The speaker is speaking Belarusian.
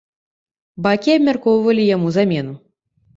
Бакі абмяркоўвалі яму замену.